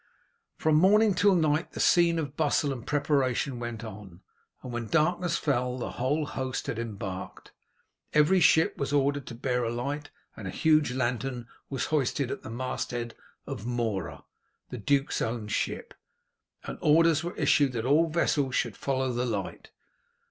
From morning till night the scene of bustle and preparation went on, and when darkness fell the whole host had embarked. Every ship was ordered to bear a light, and a huge lantern was hoisted at the masthead of the Mora, the duke's own ship, and orders were issued that all vessels should follow the light.